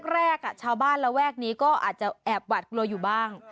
แรกชาวบ้านระแวกนี้ก็อาจจะแอบหวาดกลัวอยู่บ้าง